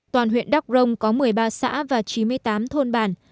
toàn huyện đắk rông có một mươi ba xã và chín mươi tám thôn bản